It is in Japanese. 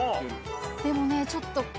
でもねちょっと。